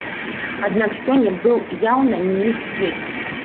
Аднак сёння быў яўна не іх дзень.